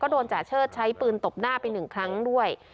โดนจ่าเชิดใช้ปืนตบหน้าไปหนึ่งครั้งด้วย